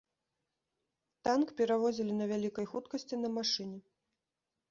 Танк перавозілі на вялікай хуткасці на машыне.